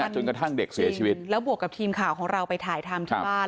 จนกระทั่งเด็กเสียชีวิตแล้วบวกกับทีมข่าวของเราไปถ่ายทำที่บ้าน